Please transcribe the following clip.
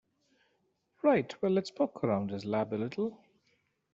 Right, well let's poke around his lab a little.